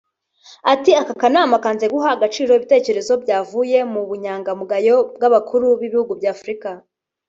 Ati” Aka kanama kanze guha agaciro ibitekerezo byavuye mu bunyangamugayo bw’Abakuru b’Ibihugu bya Afurika”